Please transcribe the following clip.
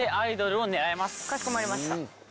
かしこまりました。